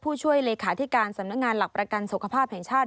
ผู้ช่วยเลขาธิการสำนักงานหลักประกันสุขภาพแห่งชาติ